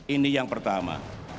ini yang pertama